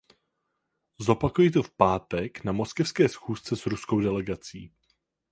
Zopakuji to v pátek na moskevské schůzce s ruskou delegací.